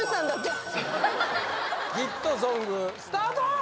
ヒットソングスタート！